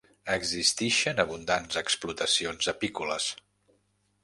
Existixen abundants explotacions apícoles.